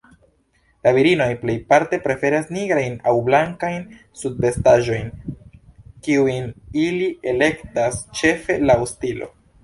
La virinoj plejparte preferas nigrajn aŭ blankajn subvestaĵojn, kiujn ili elektas ĉefe laŭ stilo.